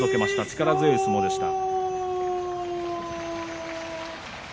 力強い相撲でした。